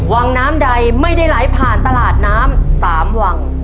วังน้ำใดไม่ได้ไหลผ่านตลาดน้ำ๓วัง